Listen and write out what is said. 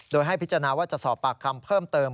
โดยให้พิจารณาว่าจะสอบปากคำเพิ่มเติม